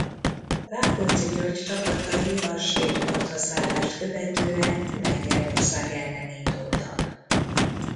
Rákóczi György csapatai a svéd partraszállást követően Lengyelország ellen indultak.